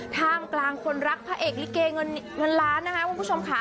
ท่ามกลางคนรักพระเอกลิเกเงินล้านนะคะคุณผู้ชมค่ะ